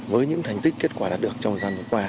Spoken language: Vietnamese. với những thành tích kết quả đạt được trong thời gian vừa qua